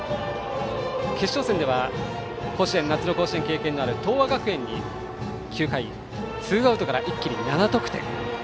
決勝戦では夏の甲子園の経験がある東亜学園に９回ツーアウトから一気に７得点。